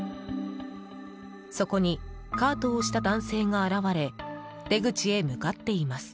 そこにカートを押した男性が現れ出口へ向かっています。